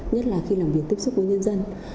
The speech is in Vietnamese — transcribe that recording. nhất là khi làm việc tiếp xúc với nhân dân